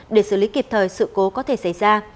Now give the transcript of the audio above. để xử lý kịp thời sự cố có thể xảy ra